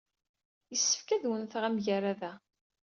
Yessefk ad wennteɣ amagrad-a.